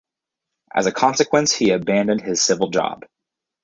As a consequence, he abandoned his civil job.